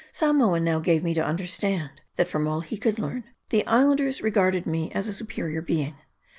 Samoa now gave me to understand, that from all he could learn, the Islanders regarded me as a superior being.